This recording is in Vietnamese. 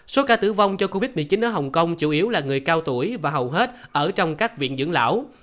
số ca tử vong do covid một mươi chín ở hồng kông chủ yếu là người cao tuổi và hầu hết ở trong các viện dưỡng lão